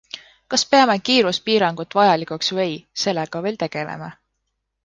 Kas peame kiiruspiirangut vajalikuks või ei, sellega veel tegeleme.